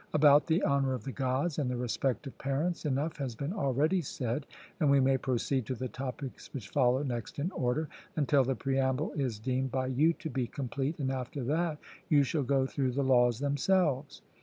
About the honour of the Gods and the respect of parents, enough has been already said; and we may proceed to the topics which follow next in order, until the preamble is deemed by you to be complete; and after that you shall go through the laws themselves.